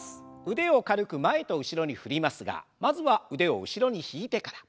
腕を軽く前と後ろに振りますがまずは腕を後ろに引いてから。